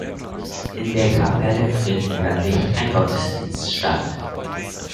In der Kapelle findet monatlich ein Gottesdienst statt.